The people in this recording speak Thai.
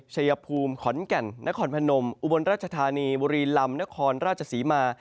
ชายภูมิขอนแก่นนครพนมอุบลราชธานีบุรีลำนครราชศรีมา